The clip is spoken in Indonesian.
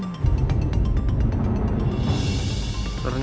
tidak ada yang mengurus